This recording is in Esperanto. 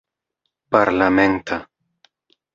parlamenta